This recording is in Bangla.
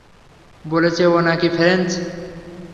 বলেছে ও নাকি ফ্রেঞ্চ।